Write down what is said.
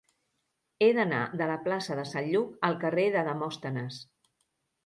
He d'anar de la plaça de Sant Lluc al carrer de Demòstenes.